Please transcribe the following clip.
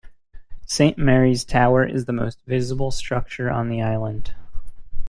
Saint Mary's Tower is the most visible structure on the island.